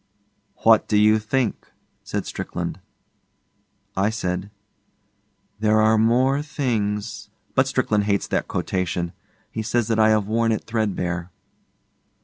'What do you think?' said Strickland. I said, '"There are more things ..."' But Strickland hates that quotation. He says that I have worn it threadbare.